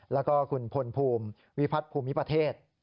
แล้วก็คุณพลภูมิวิพัฒน์ภูมิประเทศ